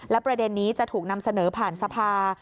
และประเด็นนี้จะถูกนำเสนอผ่านสภา